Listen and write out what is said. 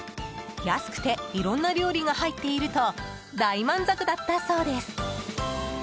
安くていろんな料理が入っていると大満足だったそうです。